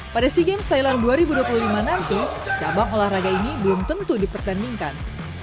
pada sea games thailand dua ribu dua puluh lima nanti cabang olahraga ini belum tentu dipertandingkan